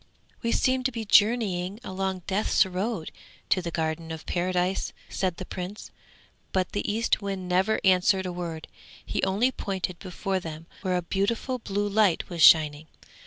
'We seem to be journeying along Death's road to the Garden of Paradise!' said the Prince, but the Eastwind never answered a word, he only pointed before them where a beautiful blue light was shining.